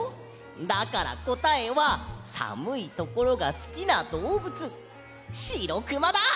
だからこたえはさむいところがすきなどうぶつしろくまだ！